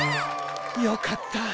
よかった。